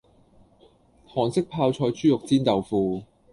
韓式泡菜豬肉煎豆腐